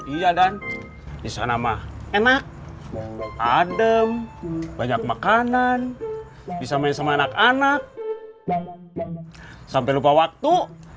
iya dan di sana mah enak adem banyak makanan bisa main sama anak anak sampai lupa waktu